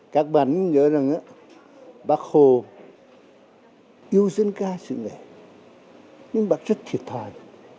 các bạn nhớ rằng bác hồ yêu dân ca sự nghệ nhưng bác rất thiệt thòi